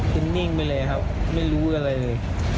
เป็นนิ่งไปเลยครับไม่รู้อะไรเลย